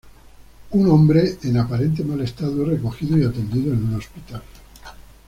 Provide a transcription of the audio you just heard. Un hombre en aparente mal estado es recogido y atendido en un hospital.